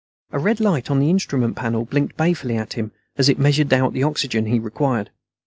A red light on the instrument panel blinked balefully at him as it measured out the oxygen he required.